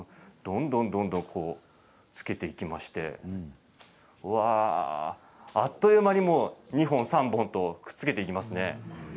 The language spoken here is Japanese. どんどんつけていきましてあっという間に２本、３本とくっつけていきますね。